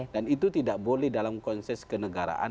dan itu tidak boleh dalam konses kenegaraan